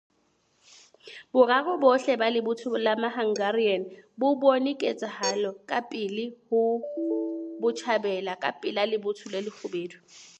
All three Hungarian armies saw action on the Eastern Front against the Red Army.